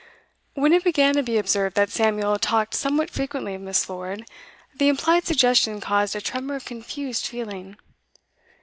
When it began to be observed that Samuel talked somewhat frequently of Miss. Lord, the implied suggestion caused a tremor of confused feeling.